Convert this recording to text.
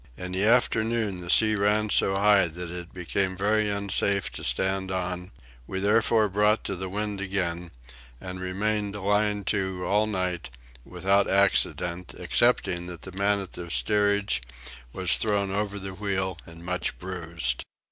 In the afternoon the sea ran so high that it became very unsafe to stand on: we therefore brought to the wind again, and remained lying to all night without accident excepting that the man at the steerage was thrown over the wheel and much bruised.